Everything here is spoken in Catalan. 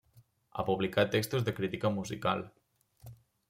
Ha publicat textos de crítica musical.